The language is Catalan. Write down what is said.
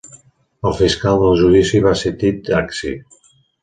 El fiscal del judici va ser Tit Acci.